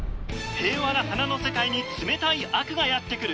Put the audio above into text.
平和な鼻の世界に冷たい悪がやって来る。